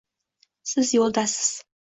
Siz yo‘ldasiz.